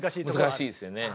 難しいですよね。